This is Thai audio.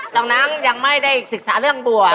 ตอนนั้นยังไม่ได้ศึกษาเรื่องบัว